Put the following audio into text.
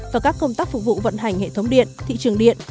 và các công tác phục vụ vận hành hệ thống điện thị trường điện